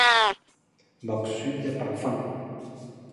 默書一百分